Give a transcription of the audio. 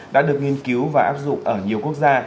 đã được nghiên cứu và áp dụng ở nhiều quốc gia